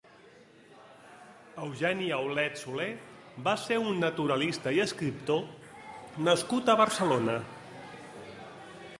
Eugeni Aulet Soler va ser un naturalista i escriptor nascut a Barcelona.